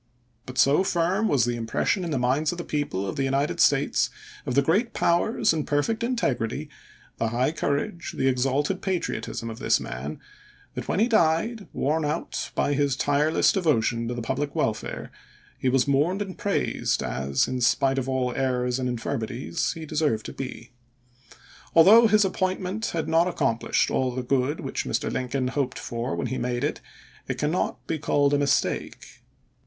But so firm was the impression in the minds of the people of the United States of the great powers and perfect integrity, the high courage, the exalted patriotism of this man, that when he died, worn out by his May 7, 1873 tireless devotion to the public welfare, he was mourned and praised as, in spite of all errors and infirmities, he deserved to be. Although his ap pointment had not accomplished all the good which Mr. Lincoln hoped for when he made it, it cannot be called a mistake.